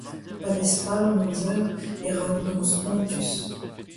Pa vez fall an amzer e ra un drouz spontus!